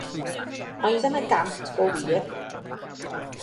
Oedd yna gant go wir?